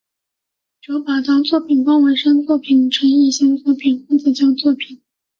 九把刀作品方文山作品陈奕先作品黄子佼作品